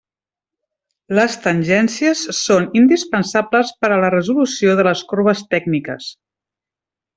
Les tangències són indispensables per a la resolució de les corbes tècniques.